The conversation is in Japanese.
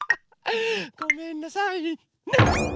ごめんなさいね！